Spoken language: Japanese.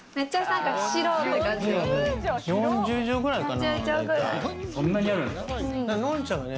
４０帖くらいかな。